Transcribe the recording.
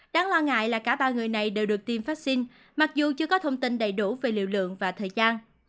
đáng lo ngại là cả ba người này đều được tiêm vaccine mặc dù chưa có thông tin đầy đủ về liều lượng và thời gian